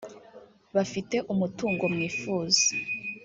bafite umutungo mwifuza